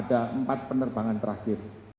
ditambah pilihan point ini